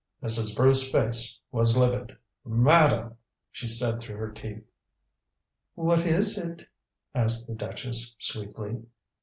Mrs. Bruce's face was livid. "Madam!" she said through her teeth. "What is it?" asked the duchess sweetly.